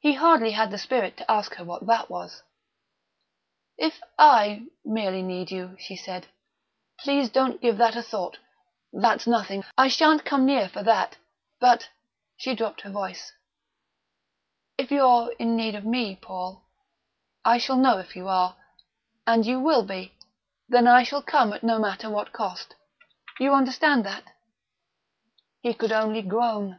He hardly had the spirit to ask her what that was. "If I merely need you," she said, "please don't give that a thought; that's nothing; I shan't come near for that. But," she dropped her voice, "if you're in need of me, Paul I shall know if you are, and you will be then I shall come at no matter what cost. You understand that?" He could only groan.